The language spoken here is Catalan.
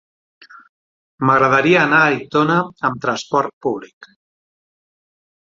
M'agradaria anar a Aitona amb trasport públic.